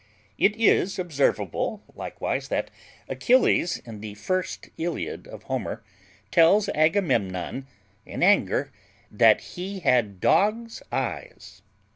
It is observable likewise that Achilles, in the first Iliad of Homer, tells Agamemnon, in anger, that he had dog's eyes.